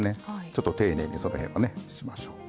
ちょっと丁寧にその辺はねしましょう。